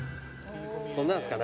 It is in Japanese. こんなんですか？